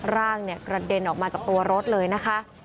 ร่างกระเด็นออกมาจากตัวรถเลยนะคะ